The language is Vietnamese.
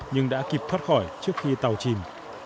nhưng đã kịp thoát khỏi trước khi tàu chìm